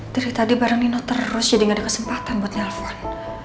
tv tadi bareng nino terus jadi gak ada kesempatan buat nelfon